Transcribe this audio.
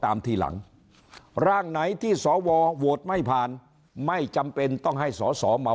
ทีหลังร่างไหนที่สวโหวตไม่ผ่านไม่จำเป็นต้องให้สอสอมา